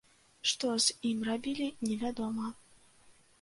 Што з ім рабілі, невядома.